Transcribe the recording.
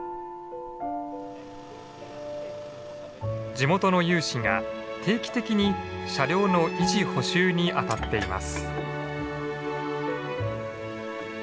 地元の有志が定期的に車両の維持補修にあたっています。